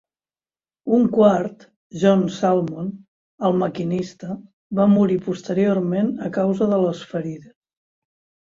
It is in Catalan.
Un quart, John Salmon, el maquinista, va morir posteriorment a causa de les ferides.